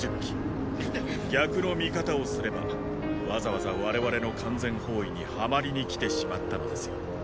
逆の見方をすればわざわざ我々の完全包囲にはまりに来てしまったのですよ。